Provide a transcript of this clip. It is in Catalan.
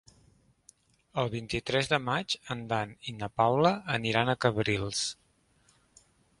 El vint-i-tres de maig en Dan i na Paula aniran a Cabrils.